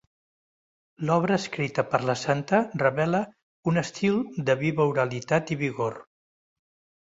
L'obra escrita per la santa revela un estil de viva oralitat i vigor.